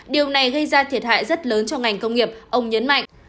điều này gây ra thiệt hại rất lớn cho ngành công nghiệp ông nhấn mạnh